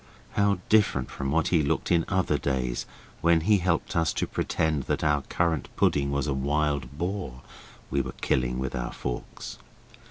How different from what he looked in other days when he helped us to pretend that our currant pudding was a wild boar we were killing with our forks.